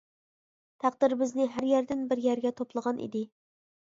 تەقدىر بىزنى ھەر يەردىن بىر يەرگە توپلىغان ئىدى.